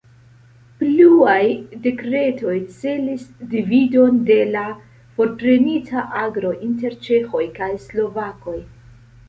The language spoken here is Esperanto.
Pluaj dekretoj celis dividon de la forprenita agro inter ĉeĥoj kaj slovakoj.